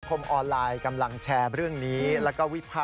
โปรดติดตามตอนต่อไป